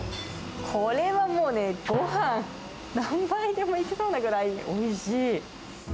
これはもうね、ごはん何杯でもいけそうなぐらいおいしい。